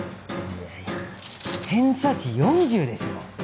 いやいや偏差値４０でしょ。